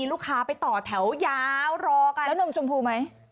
แล้วนมชมพูไหม